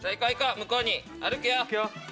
向こうに歩くよ。